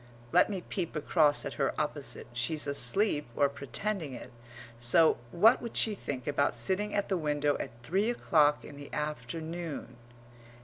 (Let me peep across at her opposite; she's asleep or pretending it; so what would she think about sitting at the window at three o'clock in the afternoon?